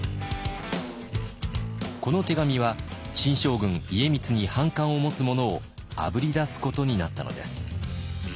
この手紙は新将軍家光に反感を持つ者をあぶり出すことになったのです。